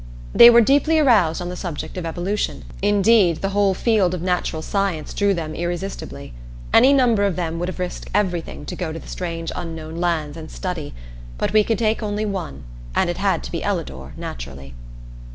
They were deeply aroused on the subject of evolution; indeed, the whole field of natural science drew them irresistibly. Any number of them would have risked everything to go to the strange unknown lands and study; but we could take only one, and it had to be Ellador, naturally.